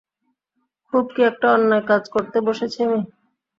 খুব কী একটা অন্যায় কাজ করতে বসেছি আমি?